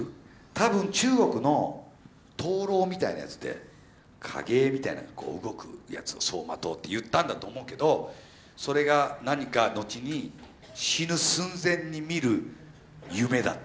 多分中国の灯籠みたいなやつで影絵みたいなのこう動くやつを走馬灯って言ったんだと思うけどそれが何か後に死ぬ寸前に見る夢だっつうじゃないですか。